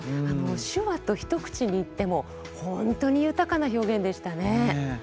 手話と一口に言っても本当に豊かな表現でしたね。